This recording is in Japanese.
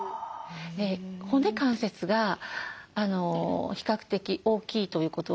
骨関節が比較的大きいということは末端ですね